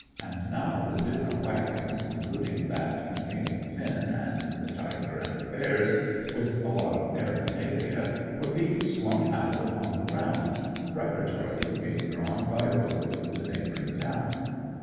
And now the different wagons, including that containing Finn and the tiger and the bears, with a lot of paraphernalia, were being swung out upon the ground, preparatory to being drawn by road to the neighbouring town.